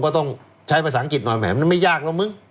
ก็ต้องใช้ภาษาอังกฤษหน่อยแหมมันไม่ยากแล้วมึง